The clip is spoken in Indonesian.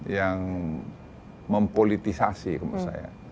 yang mempolitisasi kalau misalnya